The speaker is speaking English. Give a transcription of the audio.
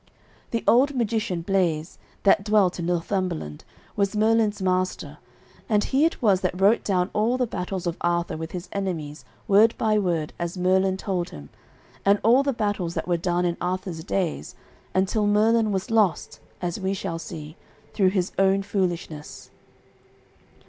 The old magician Bleise, that dwelt in Northumberland, was Merlin's master, and he it was that wrote down all the battles of Arthur with his enemies word by word as Merlin told him, and all the battles that were done in Arthur's days, until Merlin was lost, as we shall see, through his own foolishness.